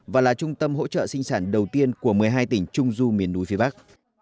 và là trung tâm hỗ trợ sinh sản đầu tiên của một mươi hai tỉnh trung du miền núi phía bắc